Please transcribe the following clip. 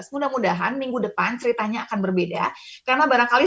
mudah mudahan minggu depan ceritanya akan berbeda karena barangkali